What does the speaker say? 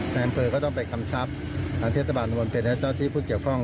อำเภอก็ต้องไปทำชับที่สมบัติบนเป็นเจ้าที่ผู้เจียบคร่อง